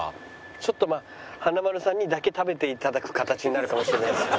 ちょっとまあ華丸さんにだけ食べて頂く形になるかもしれないですね。